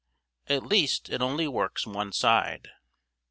At least it only works one side."